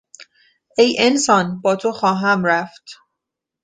ای انسان با تو خواهم رفت.